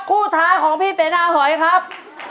คู่ท้ายของพี่เสนาหอยครับ